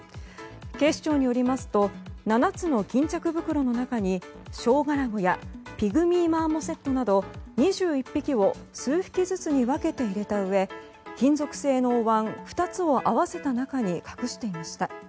警視庁によりますと７つの巾着袋の中にショウガラゴやピグミーマーモセットなど２１匹を数匹ずつに分けて入れたうえ金属製のお椀２つを合わせた中に隠していました。